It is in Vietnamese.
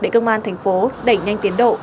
của thành phố đẩy nhanh tiến độ